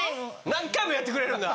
何回もやってくれるんだ。